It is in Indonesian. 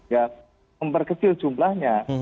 ya memperkecil jumlahnya